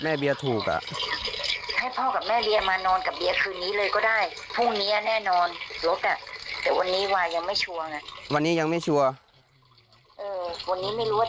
แต่ว่าพรุ่งนี้ได้รถแน่นอน